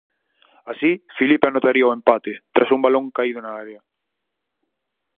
Así, Filipe anotaría o empate tras un balón caído na área.